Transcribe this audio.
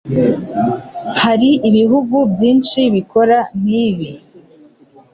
Hari ibihugu byinshi bikora nk'ibi